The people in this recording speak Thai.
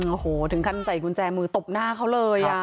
โอ้โหถึงขั้นใส่กุญแจมือตบหน้าเขาเลย